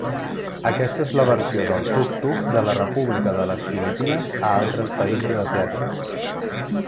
Aquesta és la versió del tuk-tuk de la República de les Filipines a altres països asiàtics.